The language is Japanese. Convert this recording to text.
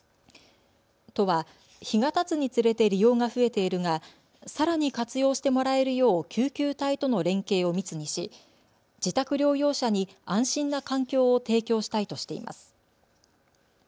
都は、日がたつにつれて利用が増えているがさらに活用してもらえるよう救急隊との連携を密にし自宅療養者に安心な環境を提供したいとしています。